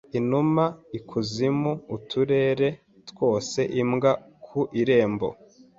Inuma Ikuzimu uturere twose Imbwa ku Irembo